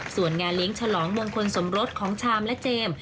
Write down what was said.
ส่วนงานเลี้ยงฉลองมงคลสมรสของชามและเจมส์